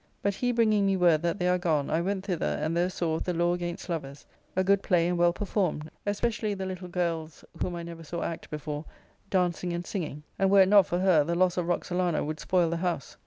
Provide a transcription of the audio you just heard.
But he bringing me word that they are gone, I went thither and there saw "The Law against Lovers," a good play and well performed, especially the little girl's (whom I never saw act before) dancing and singing; and were it not for her, the loss of Roxalana would spoil the house.